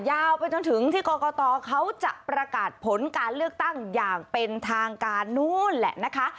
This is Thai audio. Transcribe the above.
ยาวไปจนถึงที่กรกตเขาจะประกาศผลการเลือกตั้งอย่างเป็นทางการนู้นแหละนะคะ